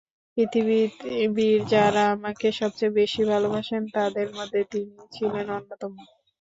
পৃথিবীর যাঁরা আমাকে সবচেয়ে বেশি ভালোবাসেন, তাঁদের মধ্যে তিনি ছিলেন অন্যতম।